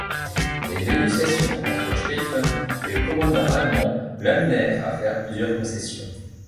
Les négociations entre Chteïfon et le commandement allemand l’amenèrent à faire plusieurs concessions.